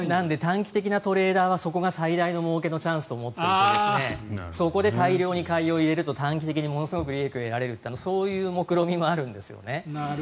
短期的な投資家はそこが重要なもうけどころだと思っていてそこで大量に買いを入れると短期的にものすごく利益を得られるってそういうもくろみもあるんですよね。